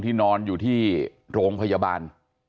นอนอยู่ที่โรงพยาบาล